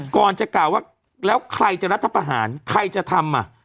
ก่อนจะกล่าวว่าแล้วใครจะรัฐประหารใครจะทำอ่ะ